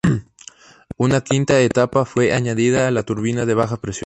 Una quinta etapa fue añadida a la turbina de baja presión.